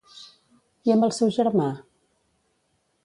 I amb el seu germà?